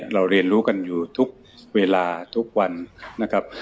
เราเรียนรู้กันอยู่ทุกเวลาทุกวันนะครับ